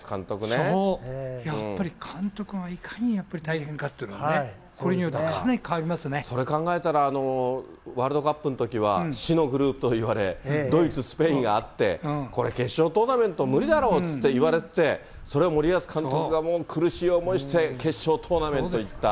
やっぱり監督がいかにやっぱり大変かっていうのはね、これによっそれ考えたら、ワールドカップのときは、死のグループといわれ、ドイツ、スペインあって、これ、決勝トーナメント無理だろうって言われてて、それを森保監督が苦しい思いして決勝トーナメント行った。